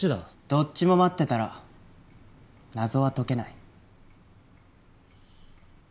どっちも待ってたら謎は解けない。